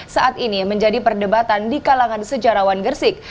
saat ini menjadi perdebatan di kalangan sejarawan gersik